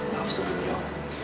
maaf sedikit ya